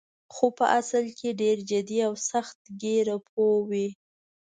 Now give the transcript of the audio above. خو په اصل کې ډېر جدي او سخت ګیره پوه وې.